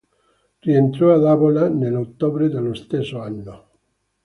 Rientrò ad Avola nell'ottobre dello stesso anno.